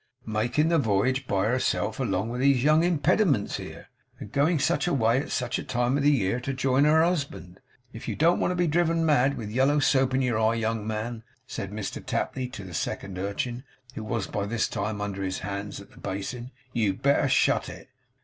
'Making the voyage by herself along with these young impediments here, and going such a way at such a time of the year to join her husband. If you don't want to be driven mad with yellow soap in your eye, young man,' said Mr Tapley to the second urchin, who was by this time under his hands at the basin, 'you'd better shut it.